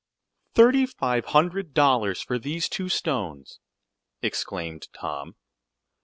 "Thirty five hundred dollars for these two stones!" exclaimed Tom.